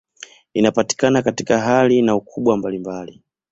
Inapatikana katika hali na ukubwa mbalimbali.